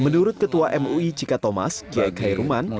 menurut ketua mui cika thomas kiai khairuman